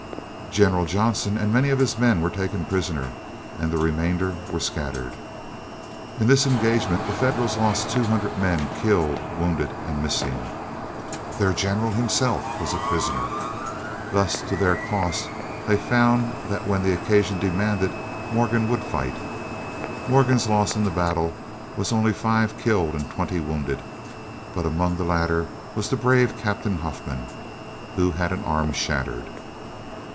General Johnson and many of his men were taken prisoners, and the remainder were scattered. In this engagement the Federals lost two hundred men, killed, wounded, and missing. Their general himself was a prisoner. Thus, to their cost, they found that when the occasion demanded it Morgan would fight. Morgan's loss in the battle was only five killed and twenty wounded; but among the latter was the brave Captain Huffman, who had an arm shattered.